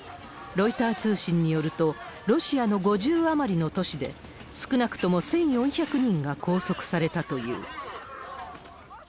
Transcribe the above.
ロイター通信によると、ロシアの５０余りの都市で、少なくとも１４００人が拘束されたという。